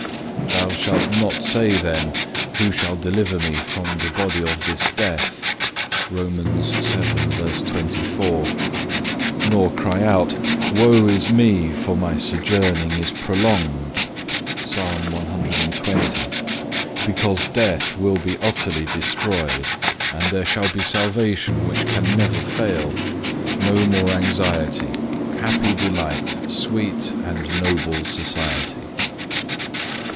Thou shalt not say then, _Who shall deliver me from the body of this death?_(2) nor cry out, Woe is me, for my sojourning is prolonged,(3) because death will be utterly destroyed, and there shall be salvation which can never fail, no more anxiety, happy delight, sweet and noble society.